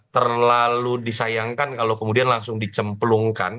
terlalu disayangkan kalau kemudian langsung dicemplungkan